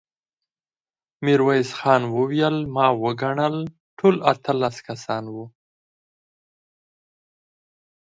ميرويس خان وويل: ما وګڼل، ټول اتلس کسان وو.